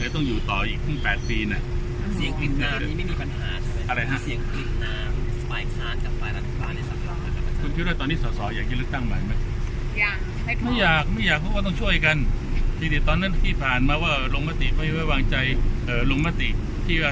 ต้องอยู่ต่ออีกผึ้ง๘ปีหน่ะ